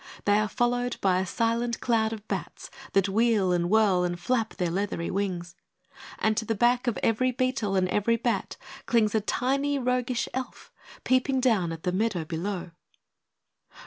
They are followed by a silent cloud of bats, that wheel and whirl, and flap their leathery wings. And to the back of every beetle and every bat clings a tiny roguish Elf peeping down at the meadow below.